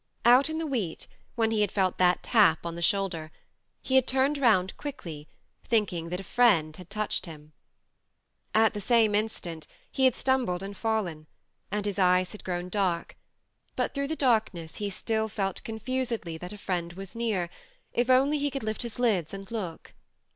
Out in the wheat, when he had felt that tap on the shoulder, he had turned round quickly, thinking that a friend had touched him. 136 THE MARNE At the same instant he had stumbled and fallen, and his eyes had grown dark ; but through the darkness he still felt confusedly that a friend was near, if only he could lift his lids and look.